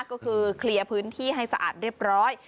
ก็คือเคลียร์พื้นที่ให้สะอาดเรียบร้อย